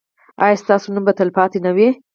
ایا ستاسو نوم به تلپاتې نه وي؟